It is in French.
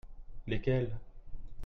Lesquels ?